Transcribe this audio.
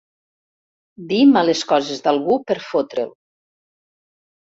Dir males coses d'algú per fotre'l.